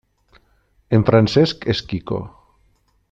En Francesc és quico.